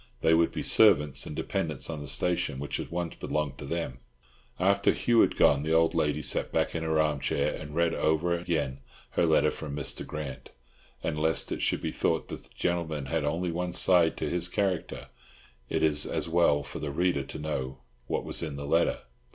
They would be servants and dependants on the station, which had once belonged to them. After Hugh had gone, the old lady sat back in her armchair and read over again her letter from Mr. Grant; and, lest it should be thought that that gentleman had only one side to his character, it is as well for the reader to know what was in the letter.